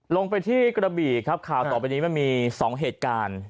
ลงไปที่กระบี่ครับข่าวต่อไปนี้มันมี๒เหตุการณ์